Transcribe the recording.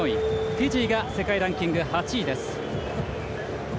フィジーが世界ランキング８位。